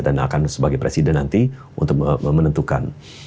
dan akan sebagai presiden nanti untuk menentukan